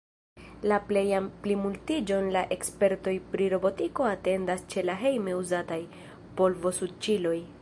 La plejan plimultiĝon la ekspertoj pri robotiko atendas ĉe la hejme uzataj polvosuĉiloj.